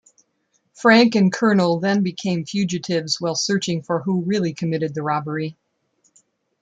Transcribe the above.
Frank and Colonel then become fugitives while searching for who really committed the robbery.